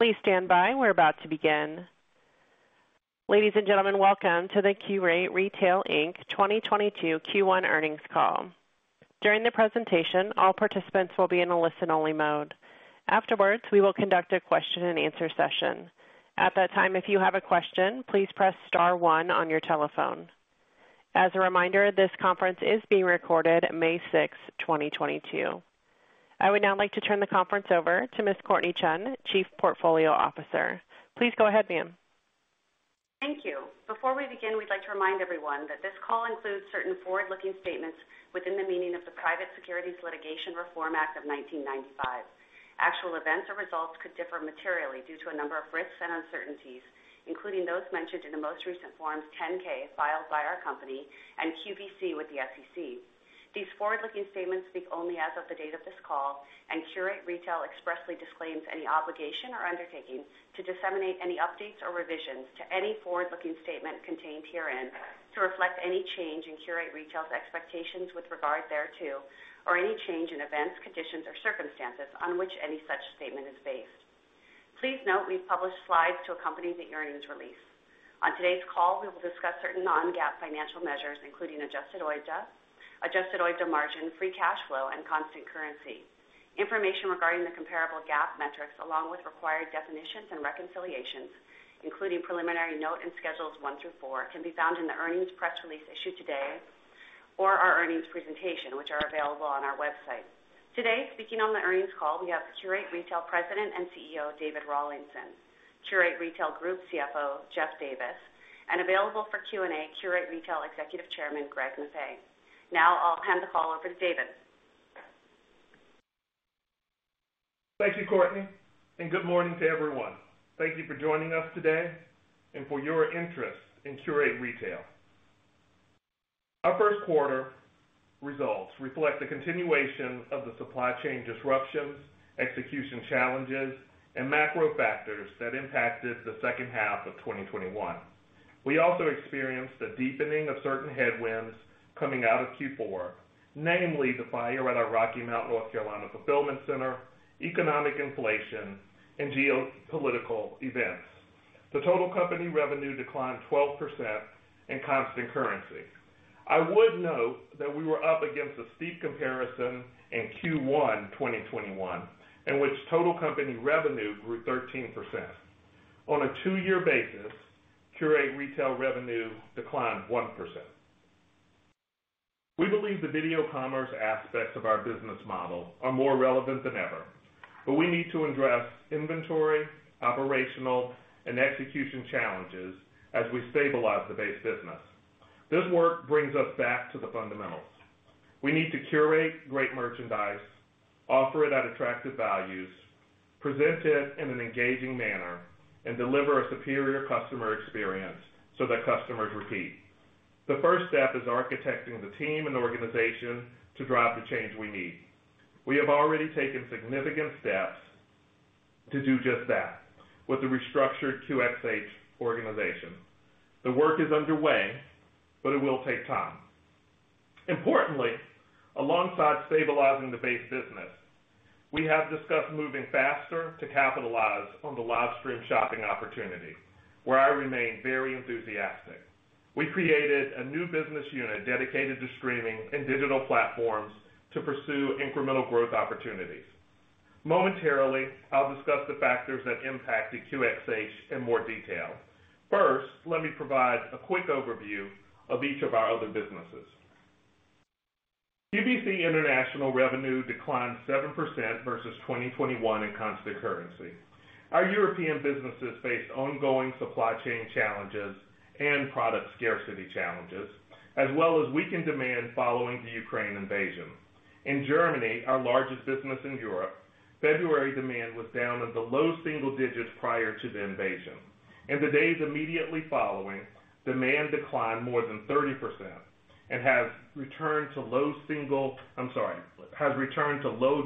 Please stand by. We're about to begin. Ladies and gentlemen, welcome to the Qurate Retail, Inc. 2022 Q1 Earnings call. During the presentation, all participants will be in a listen-only mode. Afterwards, we will conduct a question-and-answer session. At that time, if you have a question, please press star one on your telephone. As a reminder, this conference is being recorded May 6, 2022. I would now like to turn the conference over to Ms. Courtnee Chun, Chief Portfolio Officer. Please go ahead, ma'am. Thank you. Before we begin, we'd like to remind everyone that this call includes certain forward-looking statements within the meaning of the Private Securities Litigation Reform Act of 1995. Actual events or results could differ materially due to a number of risks and uncertainties, including those mentioned in the most recent Form 10-K filed by our company and QVC with the SEC. These forward-looking statements speak only as of the date of this call, and Qurate Retail expressly disclaims any obligation or undertaking to disseminate any updates or revisions to any forward-looking statement contained herein to reflect any change in Qurate Retail's expectations with regard thereto, or any change in events, conditions, or circumstances on which any such statement is based. Please note we've published slides to accompany the earnings release. On today's call, we will discuss certain non-GAAP financial measures, including adjusted OIBDA, adjusted OIBDA margin, free cash flow, and constant currency. Information regarding the comparable GAAP metrics, along with required definitions and reconciliations, including preliminary note and schedules one through four, can be found in the earnings press release issued today or our earnings presentation, which are available on our website. Today, speaking on the earnings call, we have Qurate Retail President and CEO, David Rawlinson, Qurate Retail Group CFO, Jeff Davis, and available for Q&A, Qurate Retail Executive Chairman, Greg Maffei. Now I'll hand the call over to David. Thank you, Courtnee, and good morning to everyone. Thank you for joining us today and for your interest in Qurate Retail. Our Q1 results reflect the continuation of the supply chain disruptions, execution challenges, and macro factors that impacted the second half of 2021. We also experienced a deepening of certain headwinds coming out of Q4, namely the fire at our Rocky Mount, North Carolina, fulfillment center, economic inflation, and geopolitical events. The total company revenue declined 12% in constant currency. I would note that we were up against a steep comparison in Q1 2021, in which total company revenue grew 13%. On a two-year basis, Qurate Retail revenue declined 1%. We believe the video commerce aspects of our business model are more relevant than ever, but we need to address inventory, operational, and execution challenges as we stabilize the base business. This work brings us back to the fundamentals. We need to curate great merchandise, offer it at attractive values, present it in an engaging manner, and deliver a superior customer experience so that customers repeat. The first step is architecting the team and the organization to drive the change we need. We have already taken significant steps to do just that with the restructured QXH organization. The work is underway, but it will take time. Importantly, alongside stabilizing the base business, we have discussed moving faster to capitalize on the livestream shopping opportunity, where I remain very enthusiastic. We created a new business unit dedicated to streaming and digital platforms to pursue incremental growth opportunities. Momentarily, I'll discuss the factors that impacted QXH in more detail. First, let me provide a quick overview of each of our other businesses. QVC International revenue declined 7% versus 2021 in constant currency. Our European businesses faced ongoing supply chain challenges and product scarcity challenges, as well as weakened demand following the Ukraine invasion. In Germany, our largest business in Europe, February demand was down in the low single-digits prior to the invasion. In the days immediately following, demand declined more than 30% and has returned to low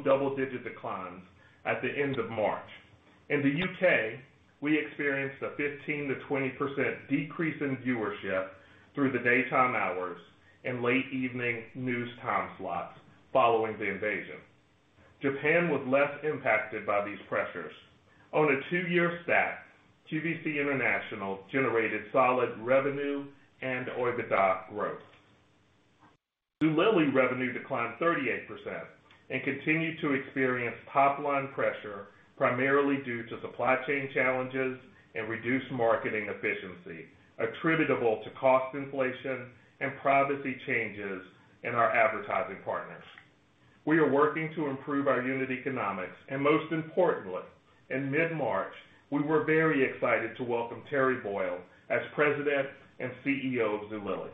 double-digit declines at the end of March. In the UK, we experienced a 15%-20% decrease in viewership through the daytime hours and late evening news time slots following the invasion. Japan was less impacted by these pressures. On a two-year stack, QVC International generated solid revenue and OIBDA growth. Zulily revenue declined 38% and continued to experience top-line pressure, primarily due to supply chain challenges and reduced marketing efficiency attributable to cost inflation and privacy changes in our advertising partners. We are working to improve our unit economics, and most importantly, in mid-March, we were very excited to welcome Terry Boyle as President and CEO of Zulily.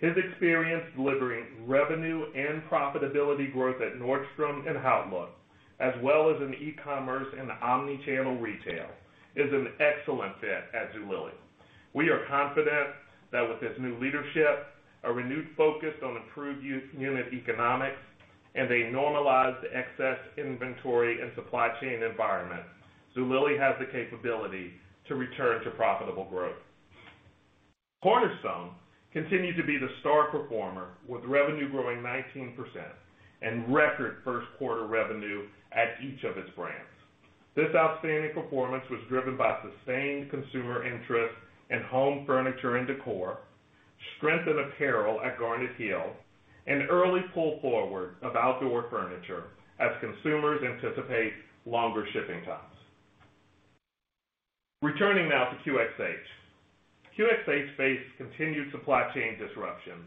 His experience delivering revenue and profitability growth at Nordstrom and HeuteLook, as well as in e-commerce and omnichannel retail, is an excellent fit at Zulily. We are confident that with this new leadership, a renewed focus on improved unit economics, and a normalized excess inventory and supply chain environment, Zulily has the capability to return to profitable growth. Cornerstone continued to be the star performer, with revenue growing 19% and record Q1 revenue at each of its brands. This outstanding performance was driven by sustained consumer interest in home furniture and decor, strength in apparel at Garnet Hill, and early pull forward of outdoor furniture as consumers anticipate longer shipping times. Returning now to QXH. QXH faced continued supply chain disruptions,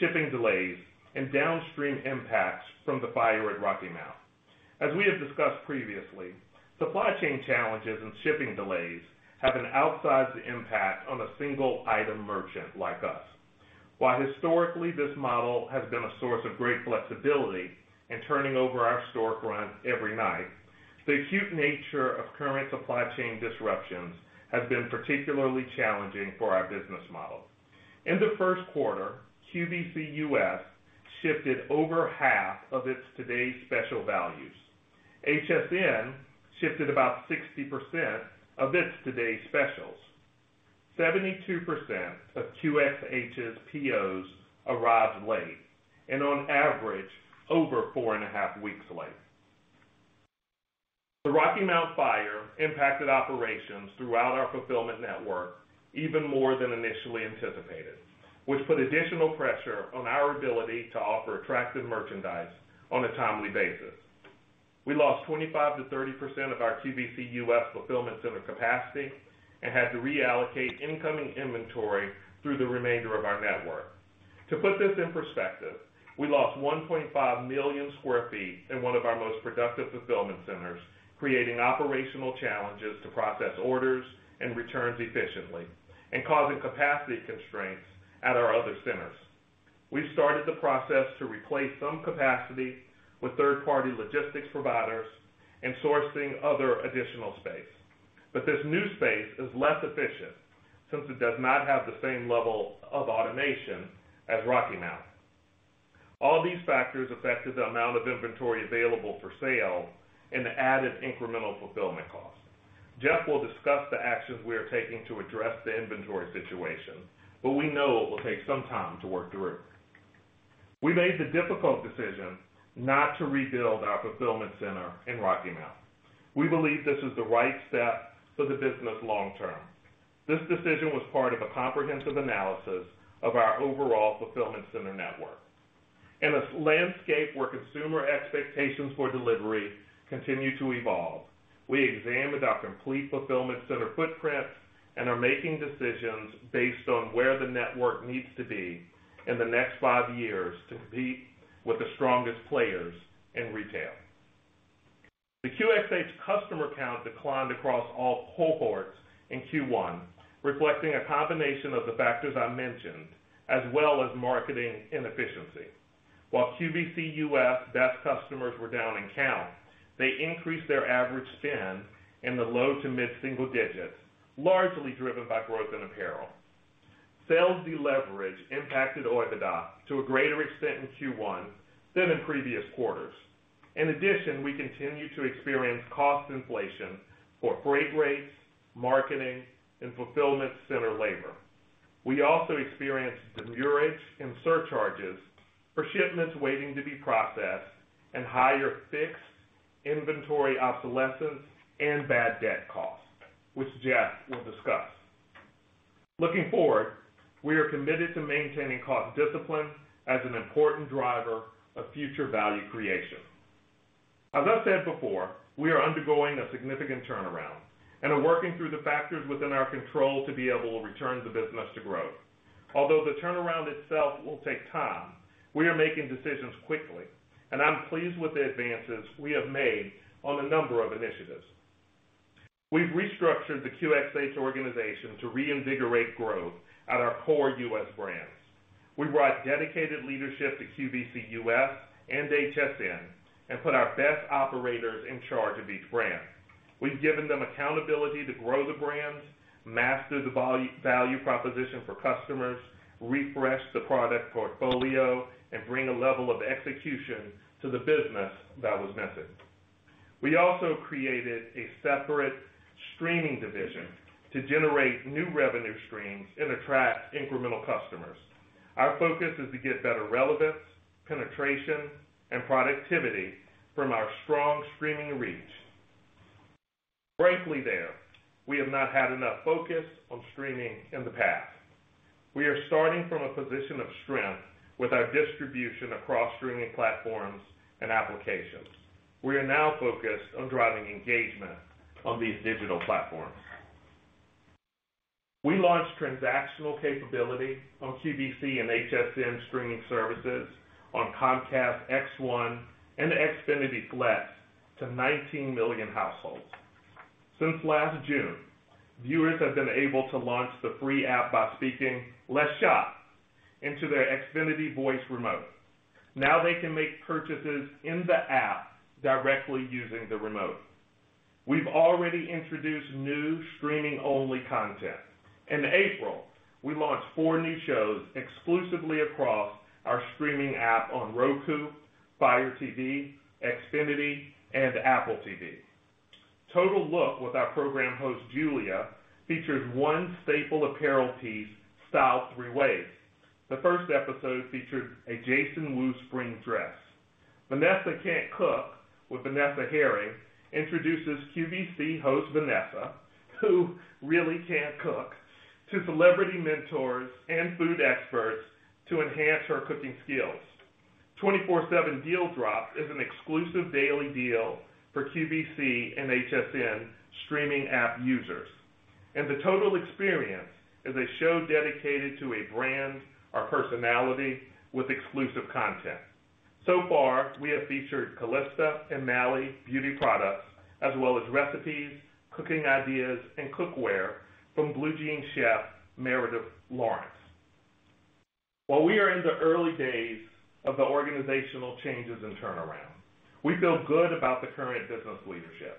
shipping delays, and downstream impacts from the fire at Rocky Mount. As we have discussed previously, supply chain challenges and shipping delays have an outsized impact on a single item merchant like us. While historically this model has been a source of great flexibility in turning over our store front every night, the acute nature of current supply chain disruptions has been particularly challenging for our business model. In Q1, QVC U.S. shifted over half of its today's special values. HSN shifted about 60% of its today's specials. 72% of QXH's POs arrived late and on average, over four and a half weeks late. The Rocky Mount fire impacted operations throughout our fulfillment network even more than initially anticipated, which put additional pressure on our ability to offer attractive merchandise on a timely basis. We lost 25%-30% of our QVC U.S. fulfillment center capacity and had to reallocate incoming inventory through the remainder of our network. To put this in perspective, we lost 1.5 million sq ft in one of our most productive fulfillment centers, creating operational challenges to process orders and returns efficiently and causing capacity constraints at our other centers. We've started the process to replace some capacity with third-party logistics providers and sourcing other additional space. This new space is less efficient since it does not have the same level of automation as Rocky Mount. All these factors affected the amount of inventory available for sale and the added incremental fulfillment costs. Jeff will discuss the actions we are taking to address the inventory situation, but we know it will take some time to work through. We made the difficult decision not to rebuild our fulfillment center in Rocky Mount. We believe this is the right step for the business long term. This decision was part of a comprehensive analysis of our overall fulfillment center network. In a landscape where consumer expectations for delivery continue to evolve, we examined our complete fulfillment center footprint and are making decisions based on where the network needs to be in the next five years to compete with the strongest players in retail. The QXH customer count declined across all cohorts in Q1, reflecting a combination of the factors I mentioned, as well as marketing inefficiency. While QVC U.S. best customers were down in count, they increased their average spend in the low to mid single-digits, largely driven by growth in apparel. Sales deleverage impacted OIBDA to a greater extent in Q1 than in previous quarters. In addition, we continue to experience cost inflation for freight rates, marketing, and fulfillment center labor. We also experienced demurrage and surcharges for shipments waiting to be processed and higher fixed inventory obsolescence and bad debt costs, which Jeff will discuss. Looking forward, we are committed to maintaining cost discipline as an important driver of future value creation. As I've said before, we are undergoing a significant turnaround and are working through the factors within our control to be able to return the business to growth. Although the turnaround itself will take time, we are making decisions quickly, and I'm pleased with the advances we have made on a number of initiatives. We've restructured the QXH organization to reinvigorate growth at our core U.S. brands. We brought dedicated leadership to QVC, U.S., and HSN and put our best operators in charge of each brand. We've given them accountability to grow the brands, master the value proposition for customers, refresh the product portfolio, and bring a level of execution to the business that was missing. We also created a separate streaming division to generate new revenue streams and attract incremental customers. Our focus is to get better relevance, penetration, and productivity from our strong streaming reach. Frankly there, we have not had enough focus on streaming in the past. We are starting from a position of strength with our distribution across streaming platforms and applications. We are now focused on driving engagement on these digital platforms. We launched transactional capability on QVC and HSN streaming services on Comcast X1 and Xfinity Flex to 19 million households. Since last June, viewers have been able to launch the free app by speaking, "Let's Shop," into their Xfinity Voice Remote. Now they can make purchases in the app directly using the remote. We've already introduced new streaming-only content. In April, we launched four new shows exclusively across our streaming app on Roku, Fire TV, Xfinity, and Apple TV. Total Look with our program host Julia features one staple apparel piece styled three ways. The first episode featured a Jason Wu spring dress. Vanessa Can't Cook with Vanessa Herring introduces QVC host Vanessa, who really can't cook, to celebrity mentors and food experts to enhance her cooking skills. 24/7 Deal Drop is an exclusive daily deal for QVC and HSN streaming app users. The Total Experience is a show dedicated to a brand or personality with exclusive content. We have featured Calista and Mally beauty products, as well as recipes, cooking ideas, and cookware from Blue Jean Chef, Meredith Laurence. While we are in the early days of the organizational changes and turnaround, we feel good about the current business leadership.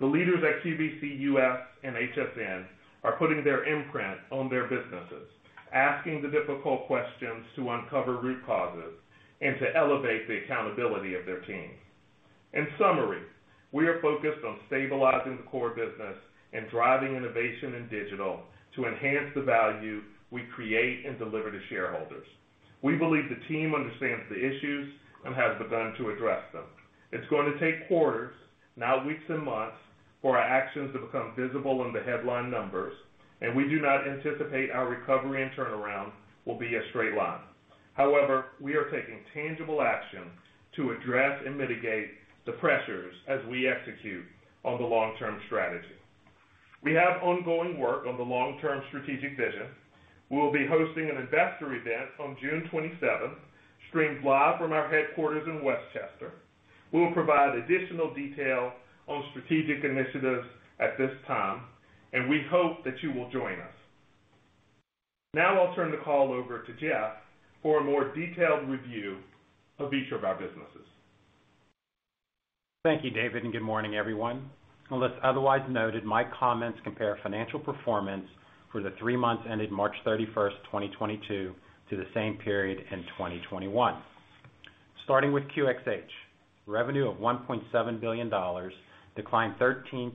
The leaders at QVC, U.S., and HSN are putting their imprint on their businesses, asking the difficult questions to uncover root causes and to elevate the accountability of their teams. In summary, we are focused on stabilizing the core business and driving innovation in digital to enhance the value we create and deliver to shareholders. We believe the team understands the issues and has begun to address them. It's going to take quarters, not weeks and months, for our actions to become visible in the headline numbers, and we do not anticipate our recovery and turnaround will be a straight line. However, we are taking tangible action to address and mitigate the pressures as we execute on the long-term strategy. We have ongoing work on the long-term strategic vision. We will be hosting an investor event on June twenty-seventh, streamed live from our headquarters in West Chester. We will provide additional detail on strategic initiatives at this time, and we hope that you will join us. Now I'll turn the call over to Jeff for a more detailed review of each of our businesses. Thank you, David, and good morning, everyone. Unless otherwise noted, my comments compare financial performance for the three months ended March 31, 2022 to the same period in 2021. Starting with QXH, revenue of $1.7 billion declined 13%,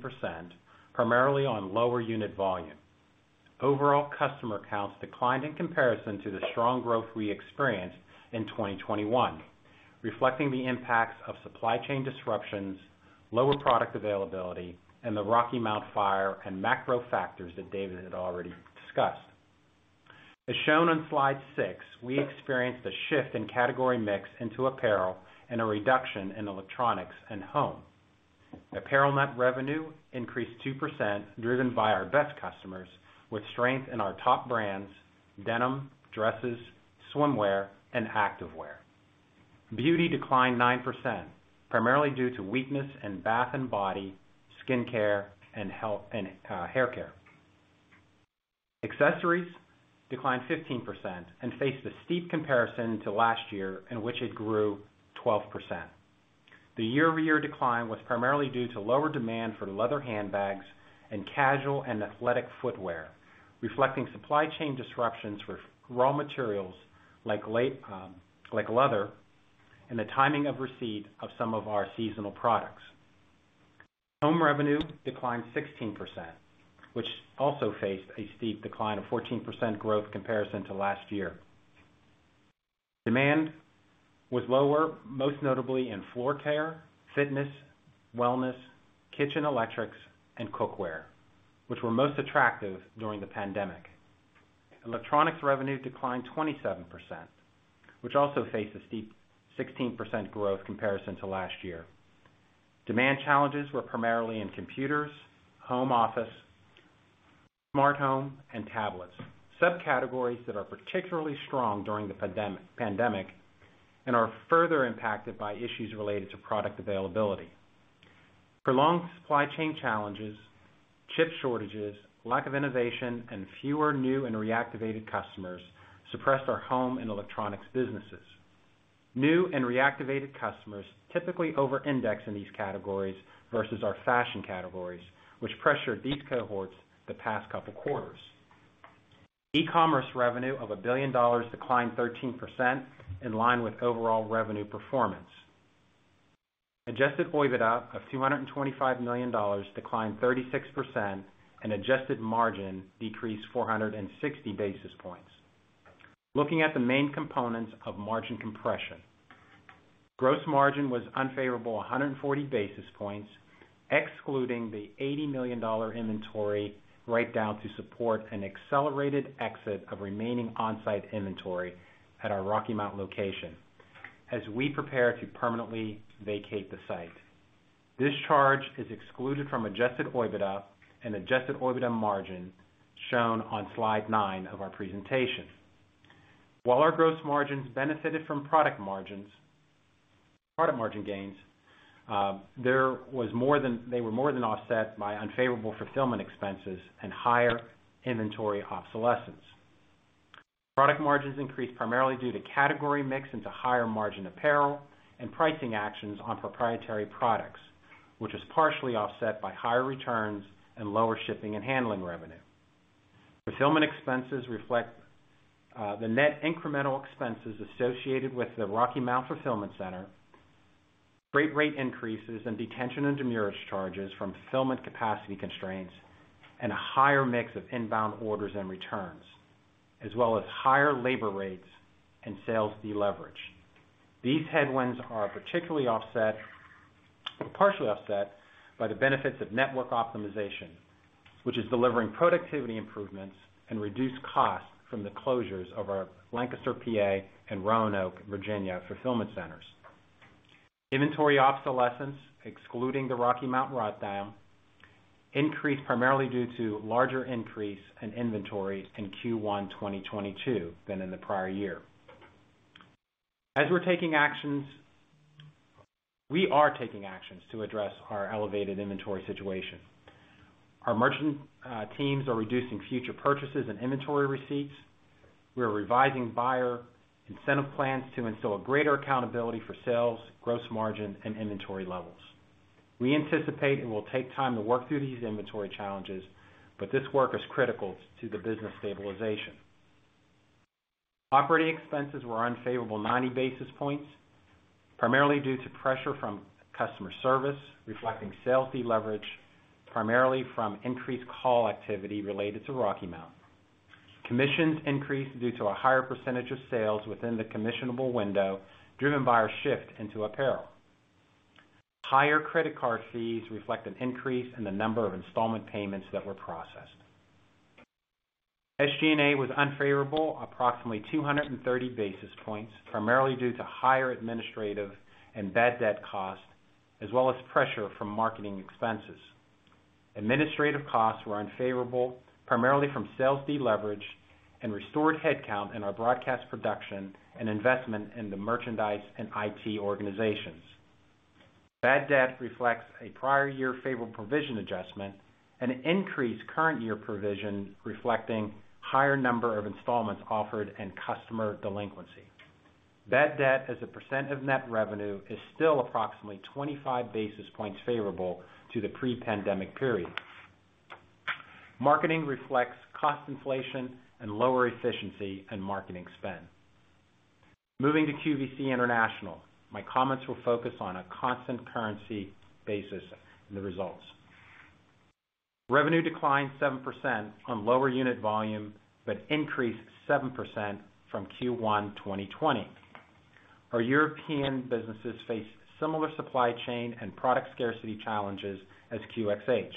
primarily on lower unit volume. Overall customer counts declined in comparison to the strong growth we experienced in 2021, reflecting the impacts of supply chain disruptions, lower product availability, and the Rocky Mount fire and macro factors that David had already discussed. As shown on slide 6, we experienced a shift in category mix into apparel and a reduction in electronics and home. Apparel net revenue increased 2% driven by our best customers with strength in our top brands, denim, dresses, swimwear, and activewear. Beauty declined 9%, primarily due to weakness in bath and body, skincare, and health and hair care. Accessories declined 15% and faced a steep comparison to last year in which it grew 12%. The year-over-year decline was primarily due to lower demand for leather handbags and casual and athletic footwear, reflecting supply chain disruptions for raw materials like leather, and the timing of receipt of some of our seasonal products. Home revenue declined 16%, which also faced a steep decline of 14% growth comparison to last year. Demand was lower, most notably in floor care, fitness, wellness, kitchen electrics, and cookware, which were most attractive during the pandemic. Electronics revenue declined 27%, which also faced a steep 16% growth comparison to last year. Demand challenges were primarily in computers, home office, smart home, and tablets, subcategories that are particularly strong during the pandemic and are further impacted by issues related to product availability. Prolonged supply chain challenges, chip shortages, lack of innovation, and fewer new and reactivated customers suppressed our home and electronics businesses. New and reactivated customers typically overindex in these categories versus our fashion categories, which pressured these cohorts the past couple quarters. E-commerce revenue of $1 billion declined 13% in line with overall revenue performance. Adjusted OIBDA of $225 million declined 36% and adjusted margin decreased 460 basis points. Looking at the main components of margin compression, gross margin was unfavorable 140 basis points, excluding the $80 million inventory write down to support an accelerated exit of remaining on-site inventory at our Rocky Mount location as we prepare to permanently vacate the site. This charge is excluded from adjusted OIBDA and adjusted OIBDA margin shown on slide nine of our presentation. While our gross margins benefited from product margins, product margin gains, there was more than, they were more than offset by unfavorable fulfillment expenses and higher-inventory obsolescence. Product margins increased primarily due to category mix into higher-margin apparel and pricing actions on proprietary products, which is partially offset by higher-returns and lower shipping and handling revenue. Fulfillment expenses reflect the net incremental expenses associated with the Rocky Mount fulfillment center, freight rate increases in detention and demurrage charges from fulfillment capacity constraints, and a higher-mix of inbound orders and returns, as well as higher-labor rates and sales deleverage. These headwinds are partially offset by the benefits of network optimization, which is delivering productivity improvements and reduced costs from the closures of our Lancaster, PA and Roanoke, Virginia fulfillment centers. Inventory obsolescence, excluding the Rocky Mount write-down, increased primarily due to larger increase in inventories in Q1 2022 than in the prior year. As we're taking actions to address our elevated inventory situation. Our merchant teams are reducing future purchases and inventory receipts. We are revising buyer incentive plans to instill a greater accountability for sales, gross margin, and inventory levels. We anticipate it will take time to work through these inventory challenges, but this work is critical to the business stabilization. Operating expenses were unfavorable 90 basis points, primarily due to pressure from customer service, reflecting sales deleverage, primarily from increased call activity related to Rocky Mount. Commissions increased due to a higher percentage of sales within the commissionable window, driven by our shift into apparel. Higher-credit card fees reflect an increase in the number of installment payments that were processed. SG&A was unfavorable approximately 230 basis points, primarily due to higher administrative and bad debt costs, as well as pressure from marketing expenses. Administrative costs were unfavorable, primarily from sales deleverage and restored headcount in our broadcast production and investment in the merchandise and IT organizations. Bad debt reflects a prior year favorable provision adjustment and an increased current year provision reflecting higher number of installments offered and customer delinquency. Bad debt as a percent of net revenue is still approximately 25 basis points favorable to the pre-pandemic period. Marketing reflects cost inflation and lower efficiency in marketing spend. Moving to QVC International, my comments will focus on a constant currency basis and the results. Revenue declined 7% on lower unit volume, but increased 7% from Q1 2020. Our European businesses face similar supply chain and product scarcity challenges as QXH.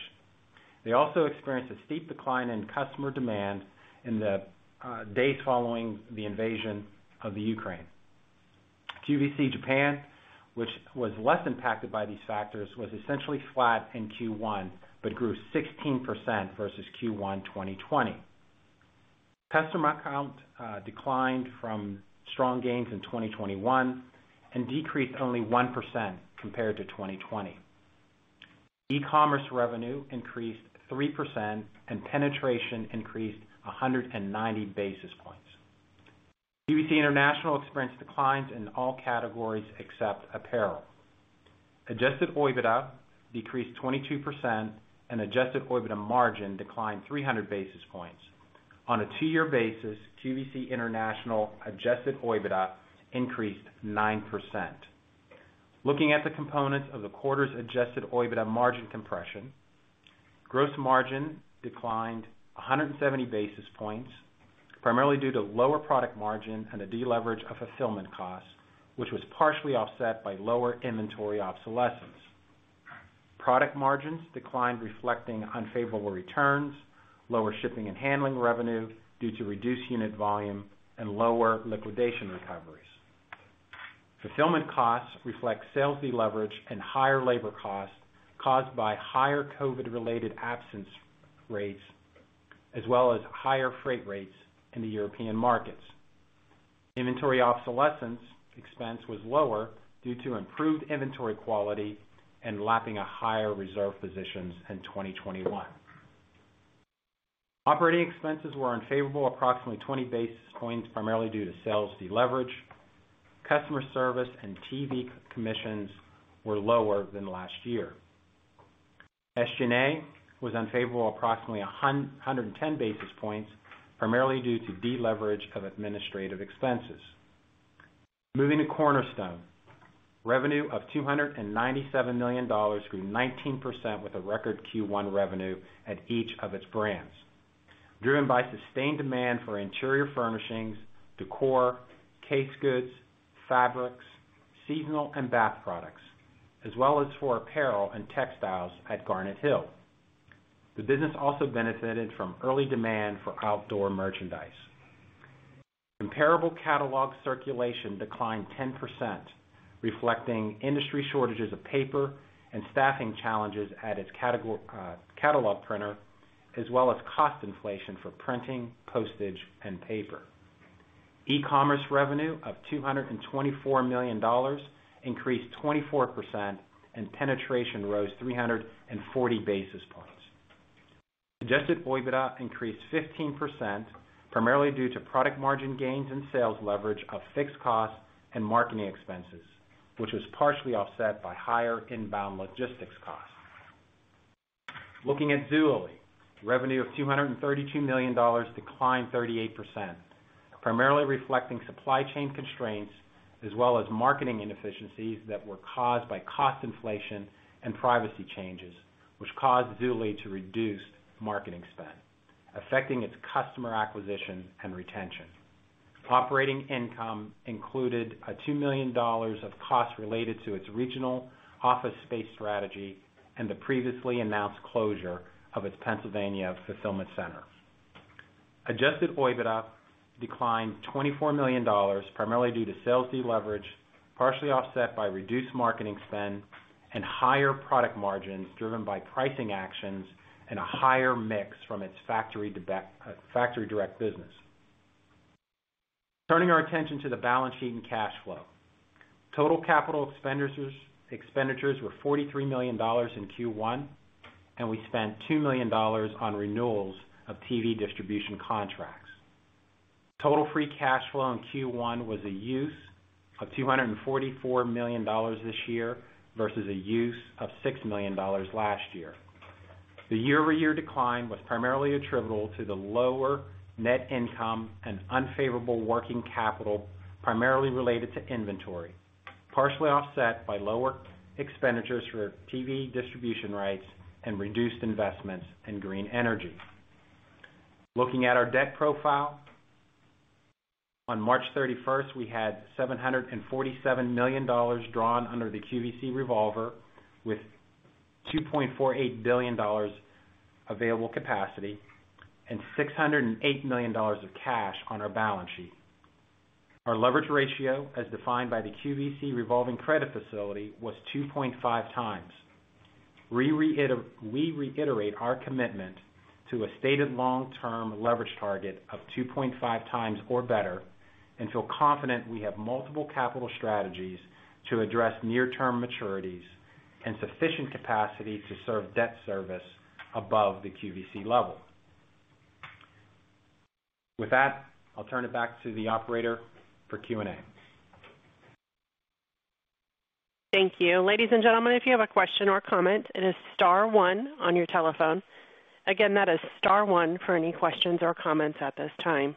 They also experienced a steep decline in customer demand in the days following the invasion of the Ukraine. QVC Japan, which was less impacted by these factors, was essentially flat in Q1, but grew 16% versus Q1 2020. Customer count declined from strong gains in 2021, and decreased only 1% compared to 2020. E-commerce revenue increased 3% and penetration increased 190 basis points. QVC International experienced declines in all categories except apparel. Adjusted OIBDA decreased 22% and adjusted OIBDA margin declined 300 basis points. On a two-year basis, QVC International adjusted OIBDA increased 9%. Looking at the components of the quarter's adjusted OIBDA margin compression, gross margin declined 170 basis points, primarily due to lower product margin and a deleverage of fulfillment costs, which was partially offset by lower inventory obsolescence. Product margins declined, reflecting unfavorable returns, lower shipping and handling revenue due to reduced unit volume and lower liquidation recoveries. Fulfillment costs reflect sales deleverage and higher labor costs caused by higher COVID-related absence rates, as well as higher-freight rates in the European markets. Inventory obsolescence expense was lower due to improved inventory quality and lapping a higher-reserve positions in 2021. Operating expenses were unfavorable approximately 20 basis points, primarily due to sales deleverage. Customer service and TV commissions were lower than last year. SG&A was unfavorable approximately 110 basis points, primarily due to deleverage of administrative expenses. Moving to Cornerstone. Revenue of $297 million grew 19% with a record Q1 revenue at each of its brands, driven by sustained demand for interior furnishings, decor, case goods, fabrics, seasonal and bath products, as well as for apparel and textiles at Garnet Hill. The business also benefited from early demand for outdoor merchandise. Comparable catalog circulation declined 10%, reflecting industry shortages of paper and staffing challenges at its catalog printer, as well as cost inflation for printing, postage, and paper. E-commerce revenue of $224 million increased 24%, and penetration rose 340 basis points. Adjusted OIBDA increased 15%. Primarily due to product margin gains and sales leverage of fixed costs and marketing expenses, which was partially offset by higher-inbound logistics costs. Looking at Zulily, revenue of $232 million declined 38%, primarily reflecting supply chain constraints as well as marketing inefficiencies that were caused by cost inflation and privacy changes, which caused Zulily to reduce marketing spend, affecting its customer acquisition and retention. Operating income included $2 million of costs-related to its regional office space strategy and the previously announced closure of its Pennsylvania fulfillment center. Adjusted OIBDA declined $24 million, primarily due to sales deleverage, partially offset by reduced marketing spend and higher product margins driven by pricing actions and a higher-mix from its factory direct business. Turning our attention to the balance sheet and cash flow. Total capital expenditures were $43 million in Q1, and we spent $2 million on renewals of TV distribution contracts. Total free cash flow in Q1 was a use of $244 million this year versus a use of $6 million last year. The year-over-year decline was primarily attributable to the lower net income and unfavorable working capital, primarily related to inventory, partially offset by lower expenditures for TV distribution rights and reduced investments in green energy. Looking at our debt profile. On March 31, we had $747 million drawn under the QVC revolver, with $2.48 billion available capacity and $608 million of cash on our balance sheet. Our leverage ratio, as defined by the QVC revolving credit facility, was 2.5 times. We reiterate our commitment to a stated long-term leverage target of 2.5x or better and feel confident we have multiple capital strategies to address near-term maturities and sufficient capacity to serve debt service above the QVC level. With that, I'll turn it back to the operator for Q&A. Thank you. Ladies and gentlemen, if you have a question or comment, it is star one on your telephone. Again, that is star one for any questions or comments at this time.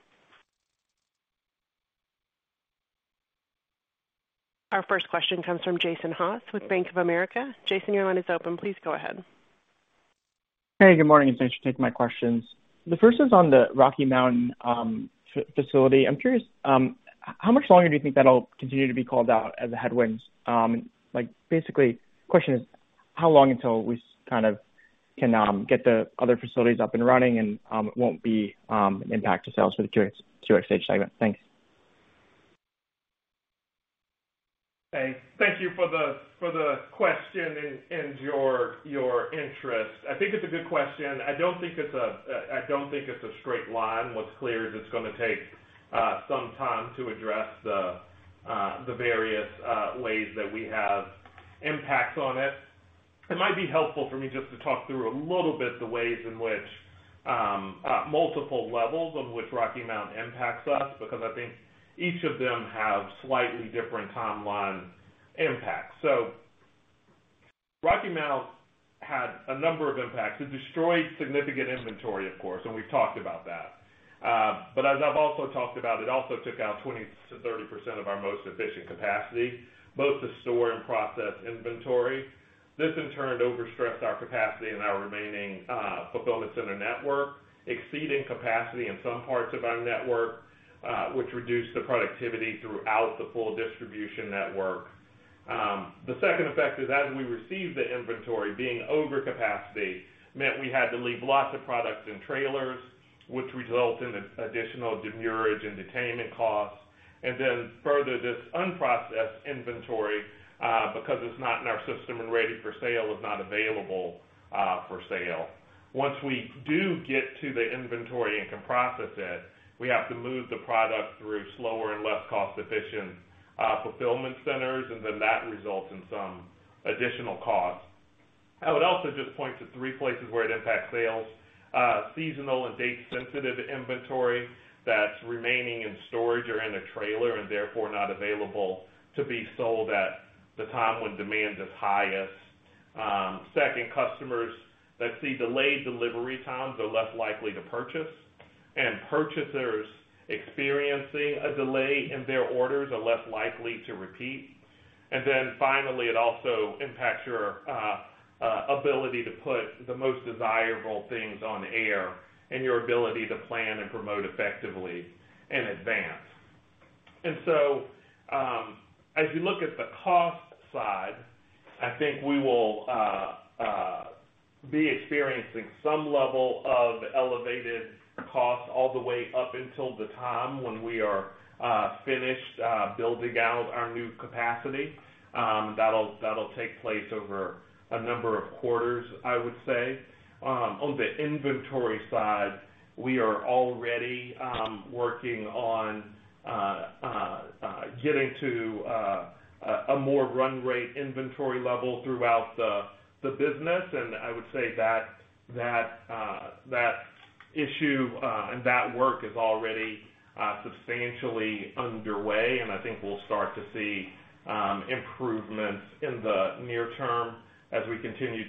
Our first question comes from Jason Haas with Bank of America. Jason, your line is open. Please go ahead. Hey, good morning. Thanks for taking my questions. The first is on the Rocky Mount facility. I'm curious, how much longer do you think that'll continue to be called out as a headwind? Like, basically, question is, how long until we kind of can get the other facilities up and running and it won't be an impact to sales for the QXH segment? Thanks. Thanks. Thank you for the question and your interest. I think it's a good question. I don't think it's a straight line. What's clear is it's gonna take some time to address the various ways that we have impacts on it. It might be helpful for me just to talk through a little bit the ways in which multiple levels of which Rocky Mount impacts us, because I think each of them have slightly different timeline impacts. Rocky Mount had a number of impacts. It destroyed significant inventory, of course, and we've talked about that. As I've also talked about, it also took out 20%-30% of our most efficient capacity, both to store and process inventory. This, in turn, overstressed our capacity and our remaining fulfillment center network, exceeding capacity in some parts of our network, which reduced the productivity throughout the full distribution network. The second effect is as we received the inventory, being over capacity meant we had to leave lots of products in trailers, which result in an additional demurrage and detainment costs, and then further, this unprocessed inventory, because it's not in our system and ready for sale, is not available for sale. Once we do get to the inventory and can process it, we have to move the product through slower and less cost-efficient fulfillment centers, and then that results in some additional costs. I would also just point to three places where it impacts sales. Seasonal and date-sensitive inventory that's remaining in storage or in a trailer and therefore not available to be sold at the time when demand is highest. Second, customers that see delayed delivery times are less likely to purchase, and purchasers experiencing a delay in their orders are less likely to repeat. Finally, it also impacts your ability to put the most desirable things on air and your ability to plan and promote effectively in advance. As you look at the cost side, I think we will be experiencing some level of elevated costs all the way up until the time when we are finished building out our new capacity. That'll take place over a number of quarters, I would say. On the inventory side, we are already working on Getting to a more run rate inventory level throughout the business. I would say that issue and that work is already substantially underway, and I think we'll start to see improvements in the near term as we continue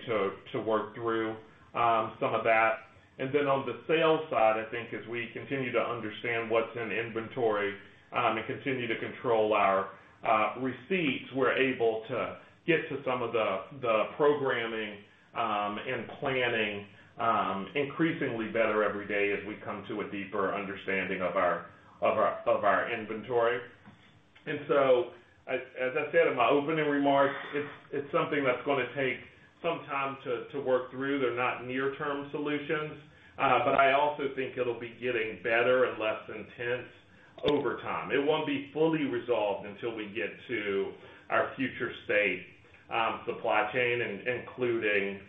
to work through some of that. Then on the sales side, I think as we continue to understand what's in inventory and continue to control our receipts, we're able to get to some of the programming and planning increasingly better every day as we come to a deeper understanding of our inventory. So as I said in my opening remarks, it's something that's gonna take some time to work through. They're not near-term solutions, but I also think it'll be getting better and less intense over time. It won't be fully resolved until we get to our future state, supply chain, including,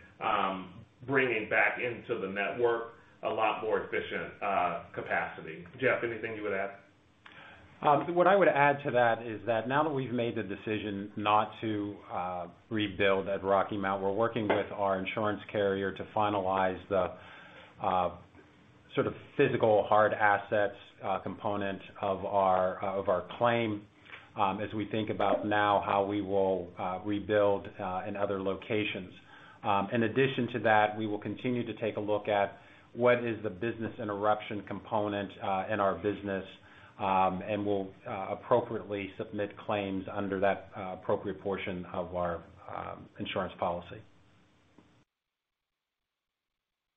bringing back into the network a lot more efficient, capacity. Jeff, anything you would add? What I would add to that is that now that we've made the decision not to rebuild at Rocky Mount, we're working with our insurance carrier to finalize the sort of physical hard assets component of our claim, as we think about now how we will rebuild in other locations. In addition to that, we will continue to take a look at what is the business interruption component in our business, and we'll appropriately submit claims under that appropriate portion of our insurance policy.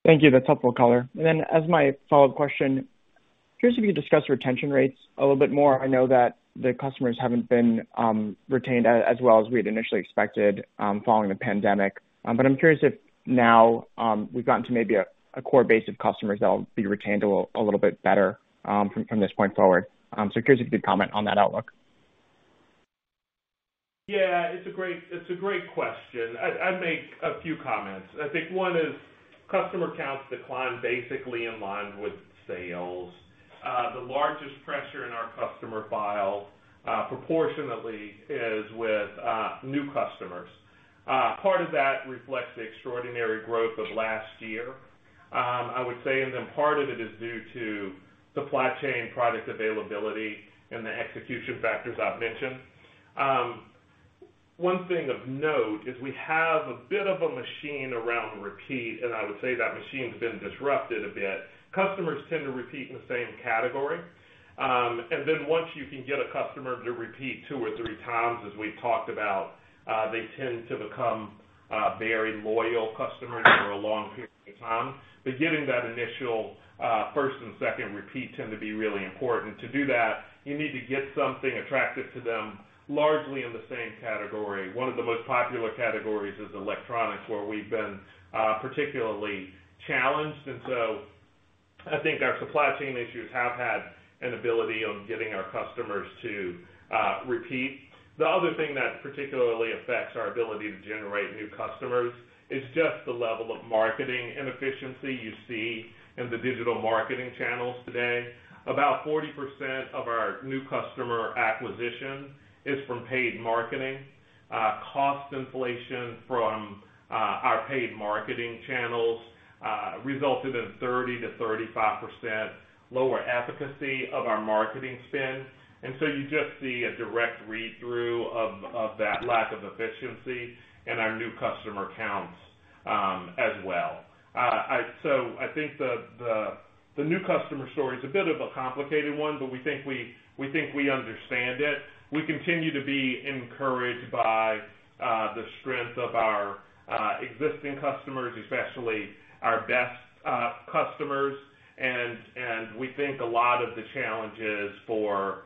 Thank you. That's helpful color. As my follow-up question, curious if you could discuss retention rates a little bit more. I know that the customers haven't been retained as well as we had initially expected, following the pandemic. I'm curious if now we've gotten to maybe a core base of customers that will be retained a little bit better, from this point forward. Curious if you could comment on that outlook. Yeah, it's a great question. I'd make a few comments. I think one is customer counts decline basically in line with sales. The largest pressure in our customer file, proportionately is with new customers. Part of that reflects the extraordinary growth of last year, I would say, and then part of it is due to supply chain product availability and the execution factors I've mentioned. One thing of note is we have a bit of a machine around repeat, and I would say that machine's been disrupted a bit. Customers tend to repeat in the same category. Then once you can get a customer to repeat two or three times, as we've talked about, they tend to become very loyal customers over a long period of time. Getting that initial first and second repeat tend to be really important. To do that, you need to get something attractive to them, largely in the same category. One of the most popular categories is electronics, where we've been particularly challenged. I think our supply chain issues have had an impact on getting our customers to repeat. The other thing that particularly affects our ability to generate new customers is just the level of marketing inefficiency you see in the digital marketing channels today. About 40% of our new customer acquisition is from paid marketing. Cost inflation from our paid marketing channels resulted in 30%-35% lower efficacy of our marketing spend. You just see a direct read-through of that lack of efficiency in our new customer counts, as well. I think the new customer story is a bit of a complicated one, but we think we understand it. We continue to be encouraged by the strength of our existing customers, especially our best customers. We think a lot of the challenges for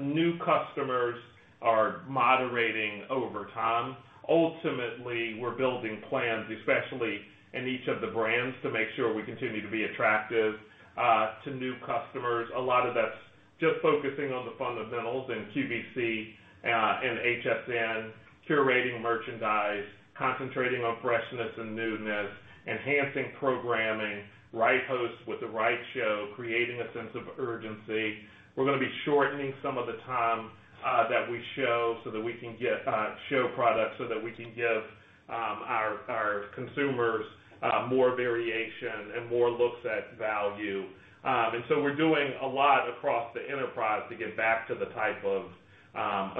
new customers are moderating over time. Ultimately, we're building plans, especially in each of the brands, to make sure we continue to be attractive to new customers. A lot of that's just focusing on the fundamentals in QVC and HSN, curating merchandise, concentrating on freshness and newness, enhancing programming, right hosts with the right show, creating a sense of urgency. We're gonna be shortening some of the time that we show so that we can get to show products so that we can give our consumers more variation and more looks at value. We're doing a lot across the enterprise to get back to the type of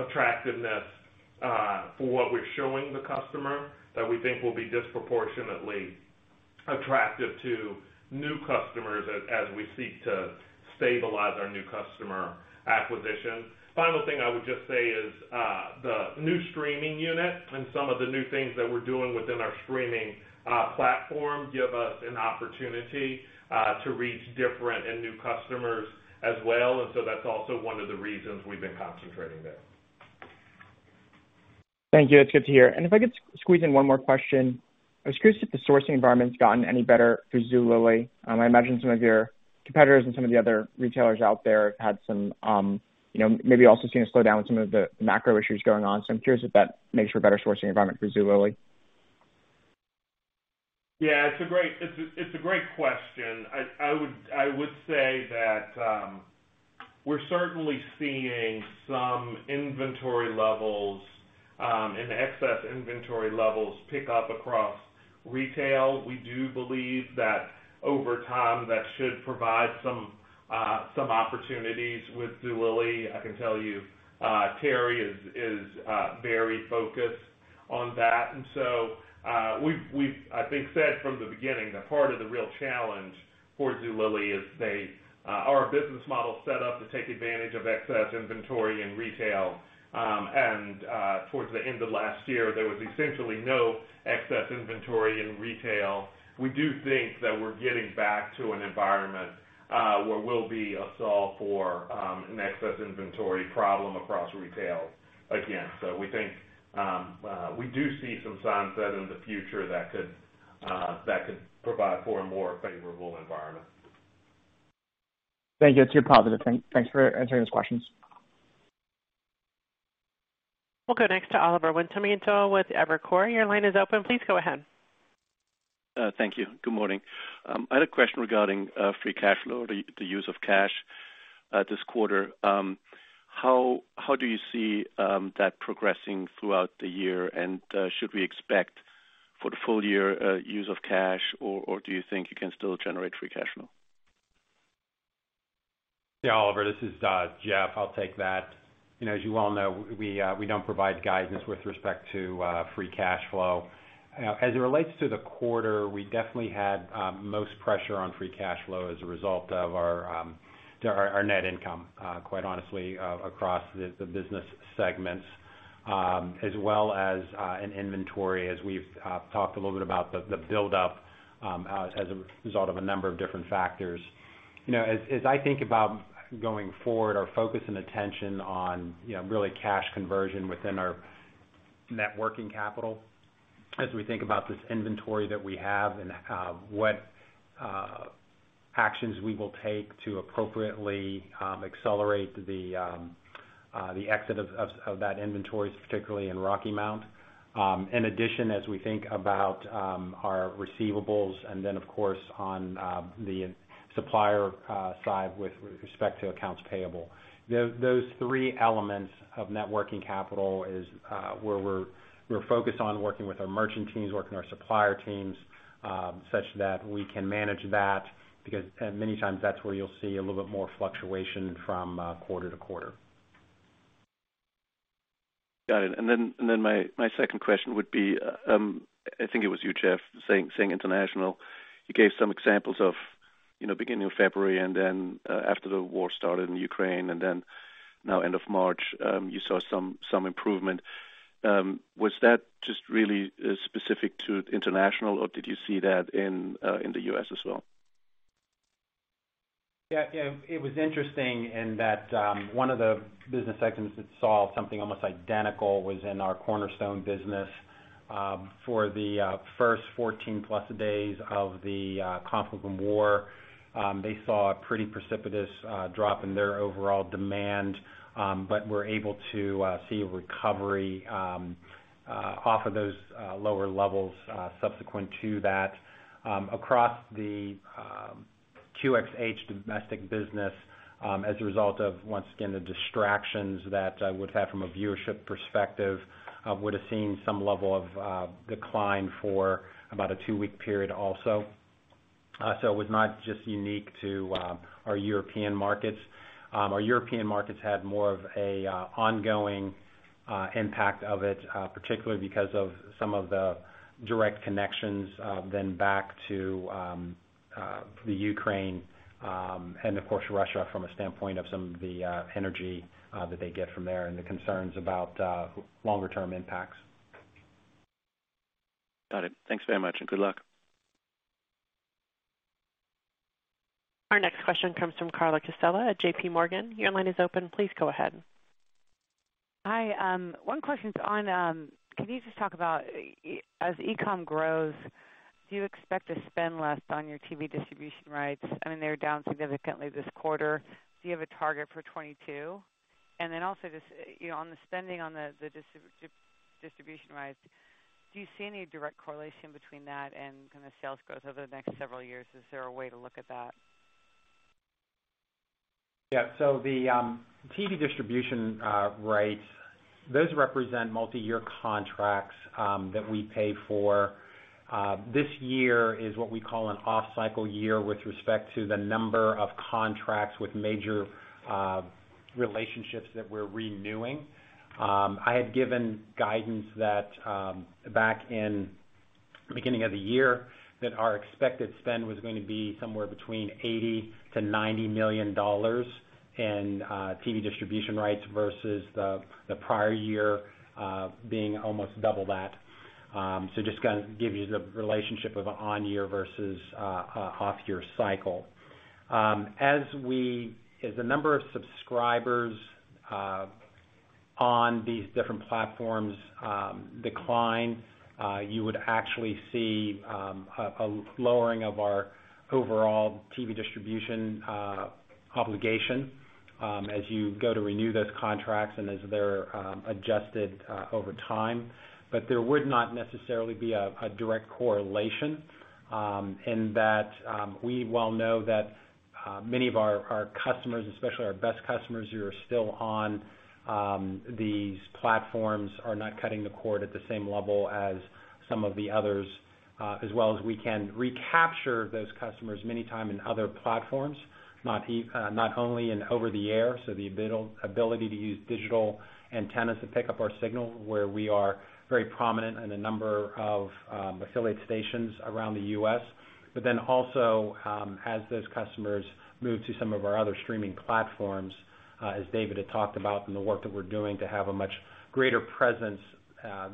attractiveness for what we're showing the customer that we think will be disproportionately attractive to new customers as we seek to stabilize our new customer acquisition. Final thing I would just say is the new streaming unit and some of the new things that we're doing within our streaming platform give us an opportunity to reach different and new customers as well. That's also one of the reasons we've been concentrating there. Thank you. That's good to hear. If I could squeeze in one more question. I was curious if the sourcing environment's gotten any better for Zulily. I imagine some of your competitors and some of the other retailers out there have had some, you know, maybe also seen a slowdown with some of the macro issues going on. I'm curious if that makes for a better sourcing environment for Zulily. Yeah, it's a great question. I would say that we're certainly seeing some inventory levels and excess inventory levels pick up across retail. We do believe that over time, that should provide some opportunities with Zulily. I can tell you, Terry is very focused on that. We've, I think, said from the beginning that part of the real challenge for Zulily is our business model is set up to take advantage of excess inventory in retail. Towards the end of last year, there was essentially no excess inventory in retail. We do think that we're getting back to an environment where we'll be a solve for an excess inventory problem across retail again. We think we do see some signs that in the future that could provide for a more favorable environment. Thank you. It's your positive. Thanks for answering those questions. We'll go next to Oliver Wintermantel with Evercore. Your line is open. Please go ahead. Thank you. Good morning. I had a question regarding free cash flow, the use of cash this quarter. How do you see that progressing throughout the year? Should we expect for the full year use of cash, or do you think you can still generate free cash flow? Yeah, Oliver, this is Jeff. I'll take that. You know, as you well know, we don't provide guidance with respect to free cash flow. As it relates to the quarter, we definitely had most pressure on free cash flow as a result of our net income, quite honestly, across the business segments, as well as in inventory as we've talked a little bit about the buildup as a result of a number of different factors. You know, as I think about going forward, our focus and attention on, you know, really cash conversion within our net working capital as we think about this inventory that we have and what actions we will take to appropriately accelerate the exit of that inventory, particularly in Rocky Mount. In addition, as we think about our receivables and then, of course, on the supplier side with respect to accounts payable. Those three elements of net working capital is where we're focused on working with our merchant teams, working our supplier teams such that we can manage that because many times that's where you'll see a little bit more fluctuation from quarter to quarter. Got it. My second question would be, I think it was you, Jeff, saying international. You gave some examples of, you know, beginning of February and then after the war started in Ukraine, and then now end of March, you saw some improvement. Was that just really specific to international, or did you see that in the U.S. as well? Yeah, it was interesting in that, one of the business segments that saw something almost identical was in our Cornerstone business, for the first 14+ days of the conflict and war, they saw a pretty precipitous drop in their overall demand, but were able to see a recovery off of those lower levels subsequent to that. Across the QXH domestic business, as a result of, once again, the distractions that I would have from a viewership perspective, would have seen some level of decline for about a two-week period also. It was not just unique to our European markets. Our European markets had more of an ongoing impact of it, particularly because of some of the direct connections then back to the Ukraine and of course, Russia from a standpoint of some of the energy that they get from there and the concerns about longer term impacts. Got it. Thanks very much and good luck. Our next question comes from Carla Casella at JPMorgan. Your line is open. Please go ahead. Hi. One question is on, can you just talk about as e-com grows, do you expect to spend less on your TV distribution rights? I mean, they were down significantly this quarter. Do you have a target for 2022? Also just, you know, on the spending on the distribution rights, do you see any direct correlation between that and kind of sales growth over the next several years? Is there a way to look at that? Yeah. The TV distribution rights, those represent multiyear contracts that we pay for. This year is what we call an off-cycle year with respect to the number of contracts with major relationships that we're renewing. I had given guidance that back in beginning of the year that our expected spend was gonna be somewhere between $80-$90 million in TV distribution rights versus the prior year being almost double that. Just to give you the relationship of on year versus off year cycle. As the number of subscribers on these different platforms decline, you would actually see a lowering of our overall TV distribution obligation as you go to renew those contracts and as they're adjusted over time. There would not necessarily be a direct correlation in that we know well that many of our customers, especially our best customers who are still on these platforms, are not cutting the cord at the same level as some of the others, as well as we can recapture those customers many times in other platforms, not only in over-the-air, so the ability to use digital antennas to pick up our signal where we are very prominent in a number of affiliate stations around the U.S. Then also, as those customers move to some of our other streaming platforms, as David had talked about in the work that we're doing to have a much greater presence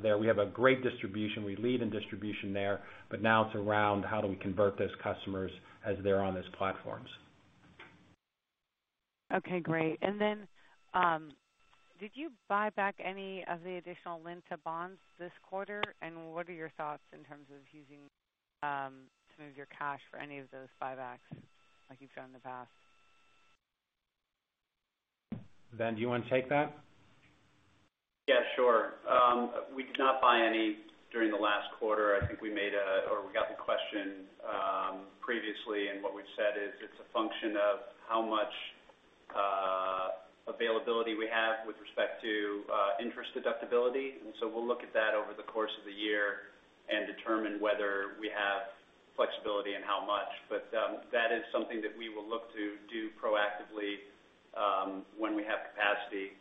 there. We have a great distribution. We lead in distribution there, but now it's around how do we convert those customers as they're on those platforms. Okay, great. Did you buy back any of the additional LINTA bonds this quarter? What are your thoughts in terms of using some of your cash for any of those buybacks like you've done in the past? Ben, do you wanna take that? Yeah, sure. We did not buy any during the last quarter. I think we got the question previously, and what we've said is it's a function of how much availability we have with respect to interest deductibility. We'll look at that over the course of the year and determine whether we have flexibility and how much. That is something that we will look to do proactively when we have capacity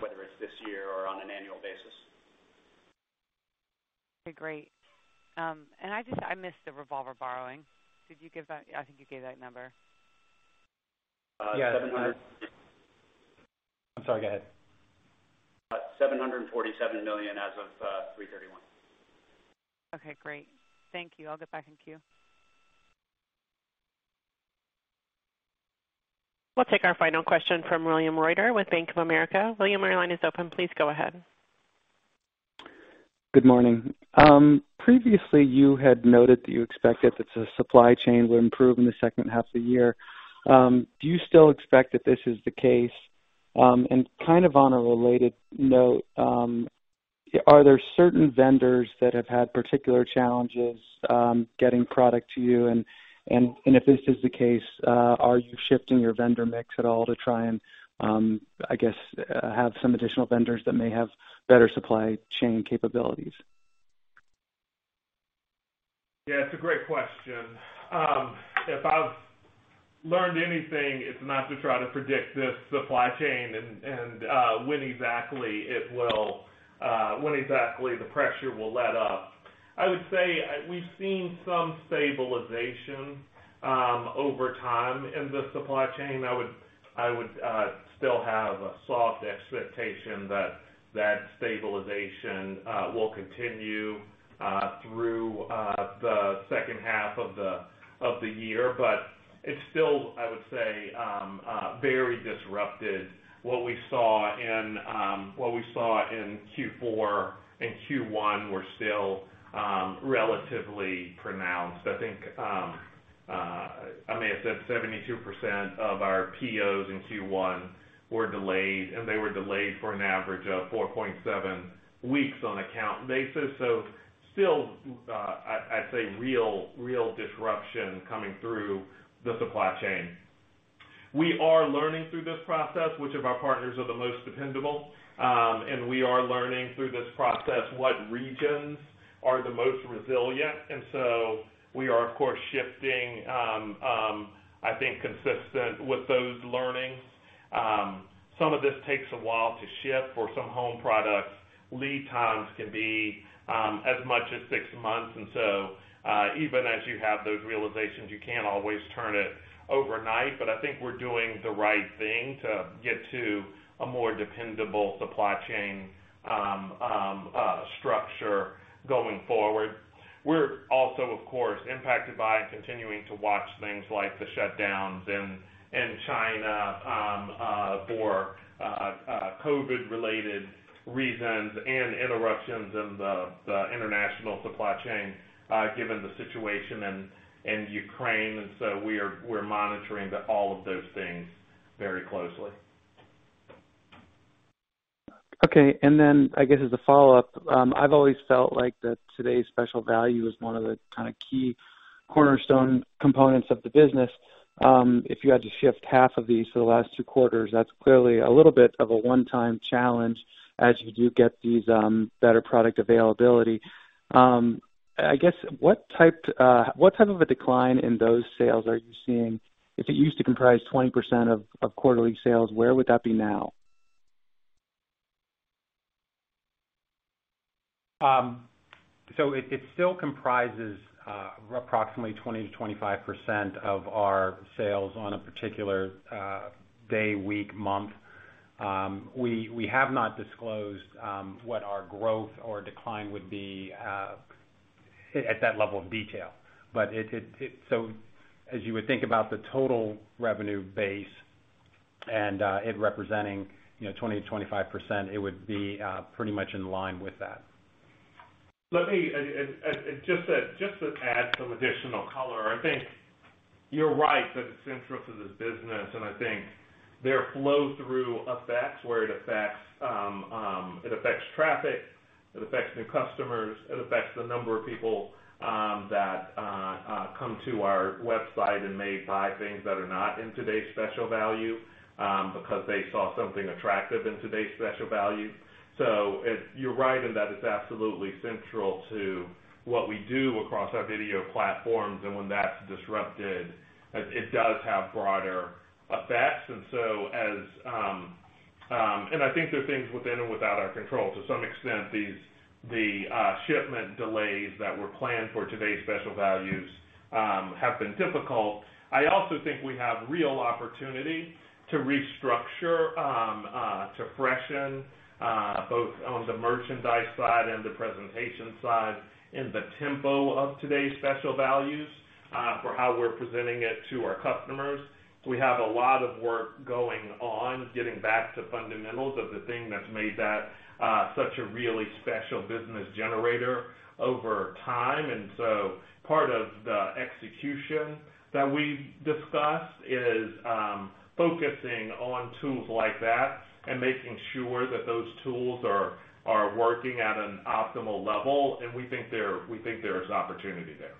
whether it's this year or on an annual basis. Okay, great. I missed the revolver borrowing. Did you give that? I think you gave that number. Yeah. 700 I'm sorry, go ahead. $747 million as of 3/31. Okay, great. Thank you. I'll get back in queue. We'll take our final question from William Reuter with Bank of America. William, your line is open. Please go ahead. Good morning. Previously you had noted that you expected that the supply chain would improve in the second half of the year. Do you still expect that this is the case? Kind of on a related note, are there certain vendors that have had particular challenges, getting product to you? If this is the case, are you shifting your vendor mix at all to try and, I guess, have some additional vendors that may have better supply chain capabilities? Yeah, it's a great question. If I've learned anything, it's not to try to predict this supply chain and when exactly the pressure will let up. I would say we've seen some stabilization over time in the supply chain. I would still have a soft expectation that stabilization will continue through the second half of the year. It's still, I would say, very disrupted. What we saw in Q4 and Q1 were still relatively pronounced. I think I may have said 72% of our POs in Q1 were delayed, and they were delayed for an average of 4.7 weeks on account basis. Still, I'd say real disruption coming through the supply chain. We are learning through this process which of our partners are the most dependable, and we are learning through this process what regions are the most resilient. We are of course shifting, I think, consistent with those learnings. Some of this takes a while to ship. For some home products, lead times can be as much as six months. Even as you have those realizations, you can't always turn it overnight. I think we're doing the right thing to get to a more dependable supply chain structure going forward. We're also, of course, impacted by continuing to watch things like the shutdowns in China for COVID-related reasons and interruptions in the international supply chain given the situation in Ukraine. We're monitoring all of those things very closely. Okay. I guess as a follow-up, I've always felt like that Today's Special Value is one of the kinda key cornerstone components of the business. If you had to shift half of these for the last two quarters, that's clearly a little bit of a one-time challenge as you do get these better product availability. I guess what type of a decline in those sales are you seeing? If it used to comprise 20% of quarterly sales, where would that be now? It still comprises approximately 20%-25% of our sales on a particular day, week, month. We have not disclosed what our growth or decline would be at that level of detail. As you would think about the total revenue base and it representing, you know, 20%-25%, it would be pretty much in line with that. Let me just to add some additional color. I think you're right that it's central to the business, and I think there are flow-through effects where it affects traffic, it affects new customers, it affects the number of people that come to our website and may buy things that are not in Today's Special Value, because they saw something attractive in Today's Special Value. You're right in that it's absolutely central to what we do across our video platforms, and when that's disrupted, it does have broader effects. I think there are things within and without our control. To some extent, the shipment delays that were planned for Today's Special Values have been difficult. I also think we have real opportunity to restructure to freshen both on the merchandise side and the presentation side in the tempo of Today's Special Value for how we're presenting it to our customers. We have a lot of work going on, getting back to fundamentals of the thing that's made that such a really special business generator over time. Part of the execution that we've discussed is focusing on tools like that and making sure that those tools are working at an optimal level, and we think there is opportunity there.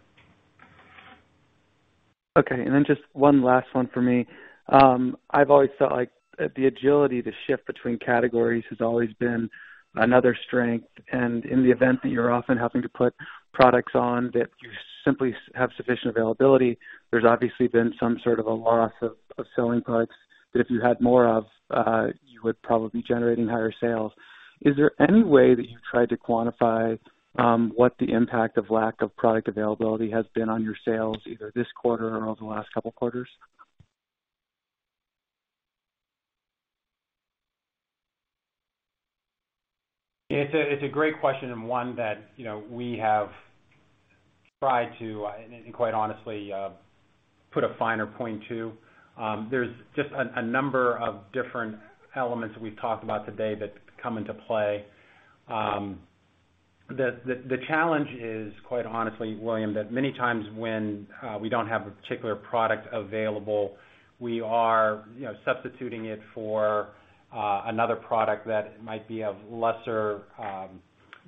Okay. Just one last one for me. I've always felt like the agility to shift between categories has always been another strength. In the event that you're often having to put products on that you simply have sufficient availability, there's obviously been some sort of a loss of selling products that if you had more of, you would probably be generating higher-sales. Is there any way that you've tried to quantify what the impact of lack of product availability has been on your sales, either this quarter or over the last couple of quarters? It's a great question and one that, you know, we have tried to, and quite honestly, put a finer point to. There's just a number of different elements that we've talked about today that come into play. The challenge is, quite honestly, William, that many times when we don't have a particular product available, we are, you know, substituting it for another product that might be of lesser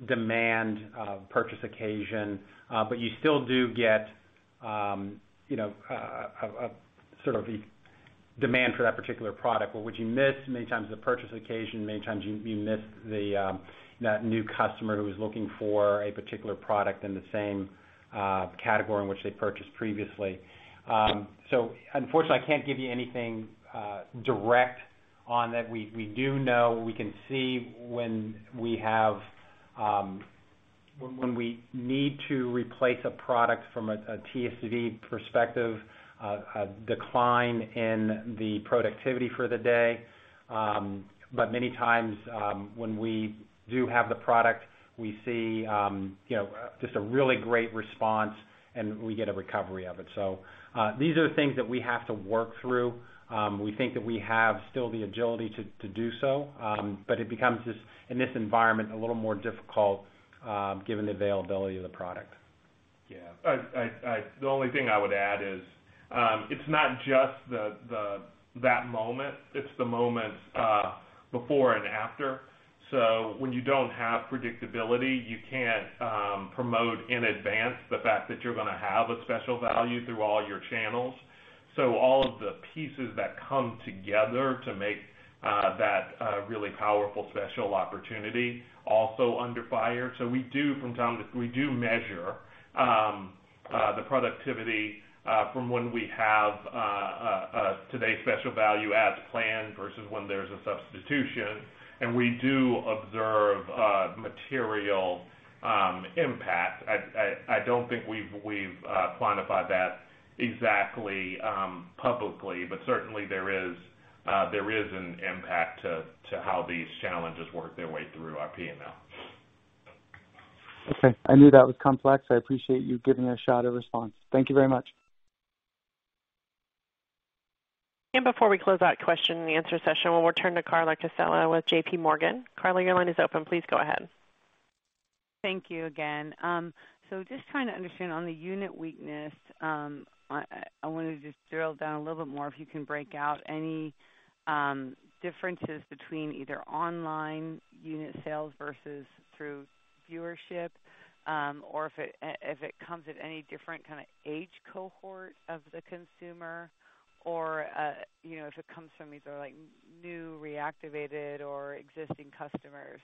demand or purchase occasion. You still do get, you know, a sort of demand for that particular product. What you miss many times is the purchase occasion, many times you miss that new customer who was looking for a particular product in the same category in which they purchased previously. Unfortunately, I can't give you anything direct on that. We do know we can see when we need to replace a product from a TSV perspective, a decline in the productivity for the day. Many times, when we do have the product, we see you know just a really great response, and we get a recovery of it. These are things that we have to work through. We think that we have still the agility to do so. It becomes just in this environment a little more difficult given the availability of the product. Yeah. The only thing I would add is, it's not just that moment, it's the moment before and after. When you don't have predictability, you can't promote in advance the fact that you're gonna have a special value through all your channels. All of the pieces that come together to make that really powerful special opportunity also under fire. We do measure the productivity from when we have Today's Special Value as planned versus when there's a substitution, and we do observe material impact. I don't think we've quantified that exactly publicly, but certainly, there is an impact to how these challenges work their way through our P&L. Okay. I knew that was complex. I appreciate you giving it a shot in response. Thank you very much. Before we close out question and answer session, we'll return to Carla Casella with JP Morgan. Carla, your line is open. Please go ahead. Thank you again. So just trying to understand on the unit weakness, I wanted to just drill down a little bit more if you can break out any differences between either online unit sales versus through viewership, or if it comes at any different kinda age cohort of the consumer or, you know, if it comes from these other, like, new reactivated or existing customers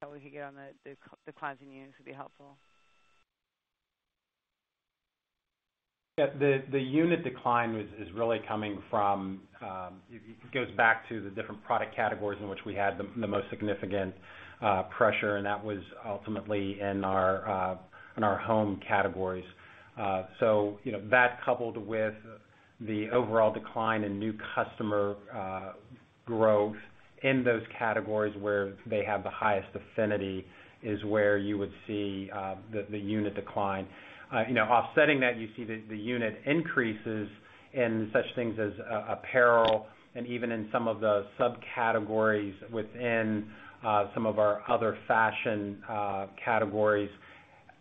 that we could get on the declines in units would be helpful. Yeah. The unit decline is really coming from. It goes back to the different product categories in which we had the most significant pressure, and that was ultimately in our home categories. You know, that coupled with the overall decline in new customer growth in those categories where they have the highest affinity is where you would see the unit decline. You know, offsetting that, you see the unit increases in such things as apparel and even in some of the subcategories within some of our other fashion categories.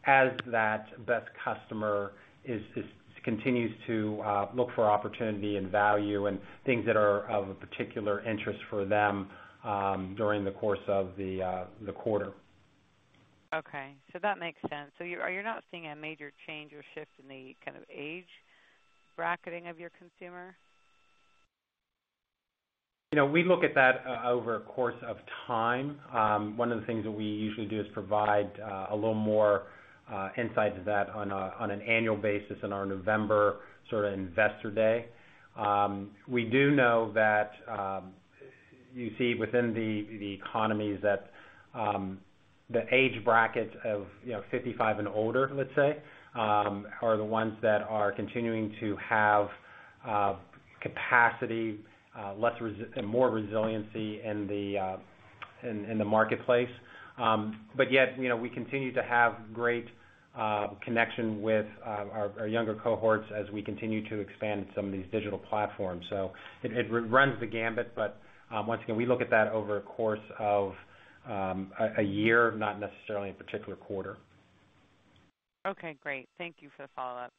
As that best customer is continues to look for opportunity and value and things that are of a particular interest for them during the course of the quarter. Okay. That makes sense. You're not seeing a major change or shift in the kind of age bracketing of your consumer? You know, we look at that over a course of time. One of the things that we usually do is provide a little more insight to that on an annual basis in our November sort of investor day. We do know that you see within the economies that the age bracket of, you know, 55 and older, let's say, are the ones that are continuing to have capacity less resistance and more resiliency in the marketplace. Yet, you know, we continue to have great connection with our younger cohorts as we continue to expand some of these digital platforms. It runs the gamut, but once again, we look at that over a course of a year, not necessarily a particular quarter. Okay, great. Thank you for the follow-up.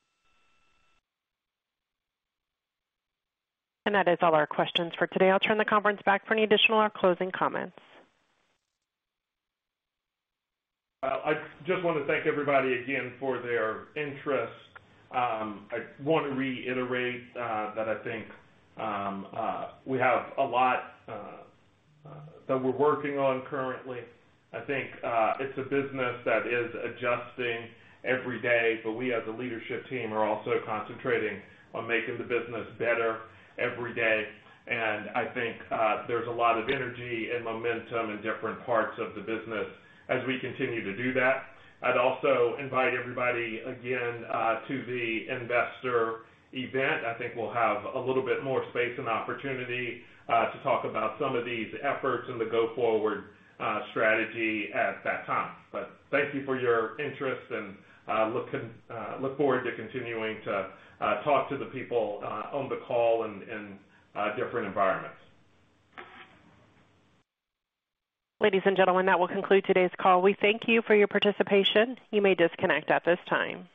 That is all our questions for today. I'll turn the conference back for any additional or closing comments. I just wanna thank everybody again for their interest. I wanna reiterate that I think we have a lot that we're working on currently. I think it's a business that is adjusting every day, but we as a leadership team are also concentrating on making the business better every day. I think there's a lot of energy and momentum in different parts of the business as we continue to do that. I'd also invite everybody again to the investor event. I think we'll have a little bit more space and opportunity to talk about some of these efforts and the go-forward strategy at that time. Thank you for your interest, and look forward to continuing to talk to the people on the call in different environments. Ladies and gentlemen, that will conclude today's call. We thank you for your participation. You may disconnect at this time.